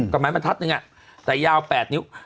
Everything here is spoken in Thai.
กระแมนมันทัดนึงอะแต่ยาว๘นิ้ว